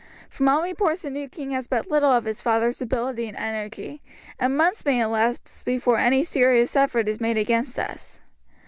From all reports the new king has but little of his father's ability and energy, and months may elapse before any serious effort is made against us.